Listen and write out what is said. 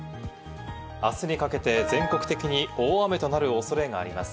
あすにかけて全国的に大雨となる恐れがあります。